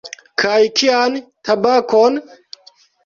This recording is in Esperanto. Kaj kian tabakon?